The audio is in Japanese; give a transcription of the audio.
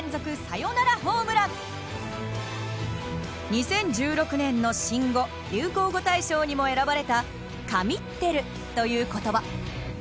２０１６年の新語・流行語大賞にも選ばれた「神ってる」という言葉。